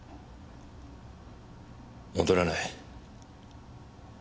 戻らない。